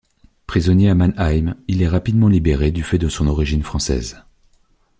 Prisonnier à Mannheim, il est rapidement libéré du fait de son origine française.